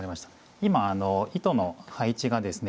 今糸の配置がですね